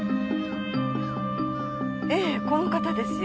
ええこの方ですよ。